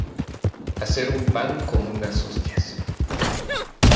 Hacer un pan como unas hostias